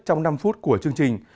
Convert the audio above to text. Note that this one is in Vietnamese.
trong năm phút của chương trình